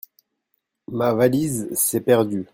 Ma valise s'est perdue.